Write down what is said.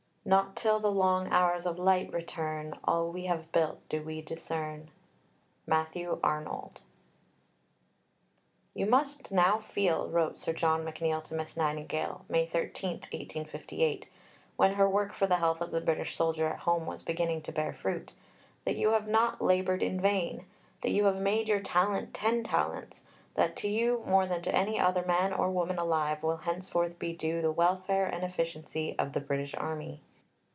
Not till the hours of light return, All we have built do we discern. MATTHEW ARNOLD. "You must now feel," wrote Sir John McNeill to Miss Nightingale (May 13, 1858), when her work for the health of the British soldier at home was beginning to bear fruit, "that you have not laboured in vain, that you have made your talent ten talents, and that to you more than to any other man or woman alive, will henceforth be due the welfare and efficiency of the British Army.